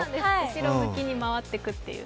後ろ向きに回っていくという。